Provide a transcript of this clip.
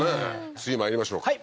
次まいりましょうはい